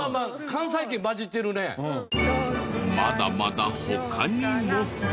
まだまだ他にも。